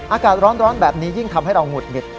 อากาศร้อนแบบนี้ยิ่งทำให้เราหงุดหงิด